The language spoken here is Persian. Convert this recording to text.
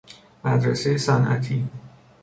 مدرسۀ صنعتی